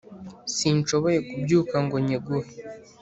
sinshoboye kubyuka ngo nyiguhe.